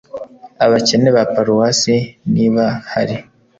Abakene ba paruwasi niba hari